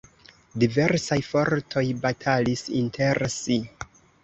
Diversaj fortoj batalis inter si.